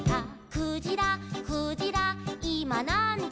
「クジラクジラいまなんじ」